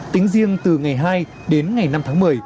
tính riêng từ ngày hai đến ngày năm tháng một mươi